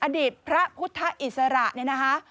อดีตพระพุทธอิสระเนี่ยนะคะ